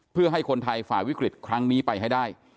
เพื่อให้คนไทยฝ่าวิกฤตครั้งนี้ไปให้ได้